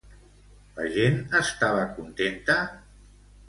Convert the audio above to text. La gent estava contenta?